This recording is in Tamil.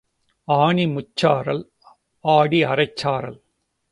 ஆனி முற்சாரல் ஆடி அடைசாரல்.